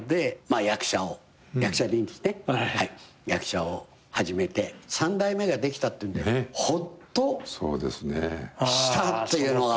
役者を始めて三代目ができたっていうんでほっとしたというのが。